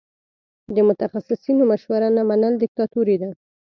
د متخصصینو مشوره نه منل دیکتاتوري ده.